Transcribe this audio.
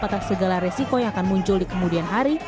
atas segala resiko yang akan muncul di kemudian hari